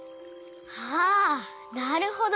ああなるほど！